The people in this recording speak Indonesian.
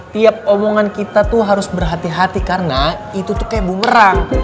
tiap omongan kita tuh harus berhati hati karena itu tuh kayak bumerang